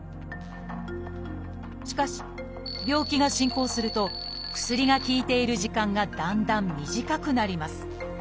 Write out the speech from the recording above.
しかし病気が進行すると薬が効いている時間がだんだん短くなります。